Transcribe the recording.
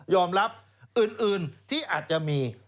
รับอื่นที่อาจจะมี